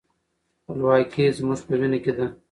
خپلواکي زموږ په وینه کې ده.